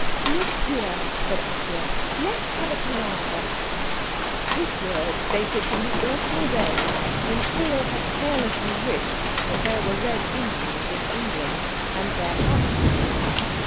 "Look here," said Anthea. "Let's have a palaver." This word dated from the awful day when Cyril had carelessly wished that there were Red Indians in England—and there had been.